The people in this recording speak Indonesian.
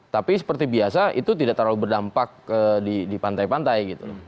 tapi seperti biasa itu tidak terlalu berdampak di pantai pantai gitu